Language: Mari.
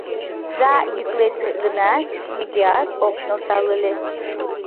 — «За» йӱклет ыле гынат, нигӧат ок нӧлтал ыле.